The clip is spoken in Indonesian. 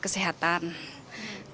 kesehatan yang utama ya